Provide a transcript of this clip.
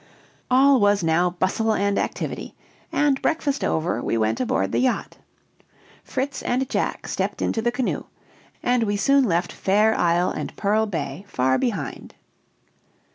All was now bustle and activity; and breakfast over, we went aboard the yacht. Fritz and Jack stepped into the canoe; and we soon left Fair Isle and Pearl Bay far behind.